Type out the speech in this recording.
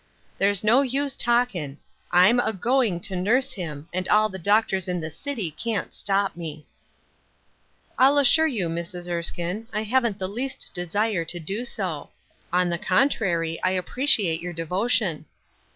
There's no use talkin' — Tm a going to nurse Mm., and all the doctor's in the city can't stop me." "I assure you, Mrs. Erskine, I haven't the least desire to do so. On the contrary, I appr^ ciate your devotion."